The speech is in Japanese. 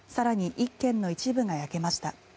１軒の一部が焼けました。